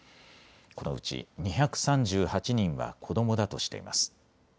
このうち２３８人は子どもだとしています。